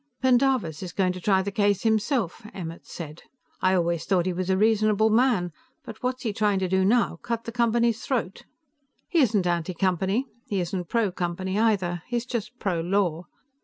"Pendarvis is going to try the case himself," Emmert said. "I always thought he was a reasonable man, but what's he trying to do now? Cut the Company's throat?" "He isn't anti Company. He isn't pro Company either. He's just pro law.